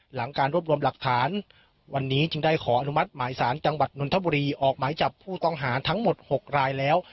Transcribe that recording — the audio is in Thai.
หลังการรวบรวมหลักฐานวันนี้จึงได้ขออนุมัติหมายสารจังหวัดนนทบุรีออกหมายจับผู้ต้องหาทั้งหมด๖รายแล้ว